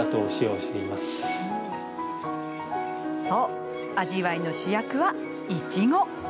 そう、味わいの主役はいちご。